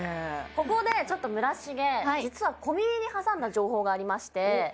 ここでちょっと村重実は小耳に挟んだ情報がありましておっ